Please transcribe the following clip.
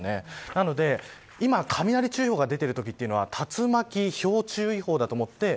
なので今、雷注意報が出るときは竜巻ひょう注意報だと思って。